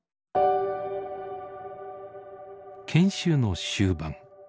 研修の終盤。